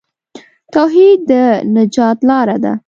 توحید د نجات لار ده.